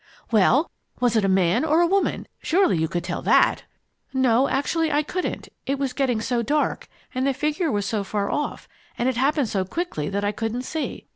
"Well, was it a man or a woman? Surely you could tell that!" "No, actually I couldn't. It was getting so dark, and the figure was so far off, and it all happened so quickly that I couldn't see.